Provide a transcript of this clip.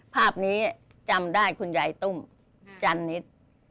ภาพนี้จำได้คุณยายตุ้มจันนิด